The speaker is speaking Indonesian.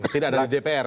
tidak ada dpr